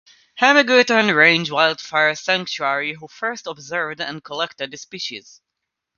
Hamiguitan Range Wildlife Sanctuary who first observed and collected the species.